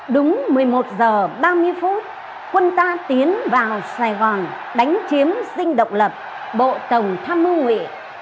đúng một mươi một h ba mươi phút quân ta tiến vào sài gòn đánh chiếm sinh độc lập bộ tổng tham mưu nguyện